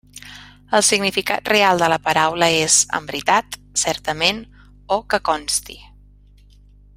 El significat real de la paraula és 'en veritat', 'certament' o 'que consti'.